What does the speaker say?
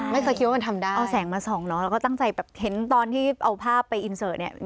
ไม่เคยคิดว่ามันทำได้เอาแสงมาส่องเนาะแล้วก็ตั้งใจแบบเห็นตอนที่เอาภาพไปอินเสิร์ตเนี่ย